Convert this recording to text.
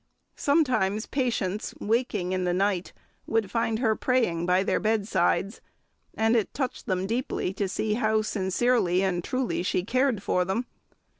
Sometimes patients, waking in the night, would find her praying by their bedsides, and it touched them deeply to see how sincerely and truly she cared for them.